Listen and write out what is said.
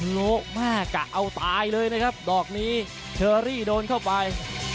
โละมากกะเอาตายเลยนะครับดอกนี้เชอรี่โดนเข้าไป